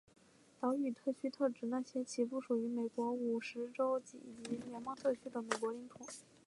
岛屿地区特指那些其不属于美国五十州以及联邦特区的美国领土。